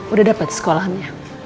udah dapet sekolahnya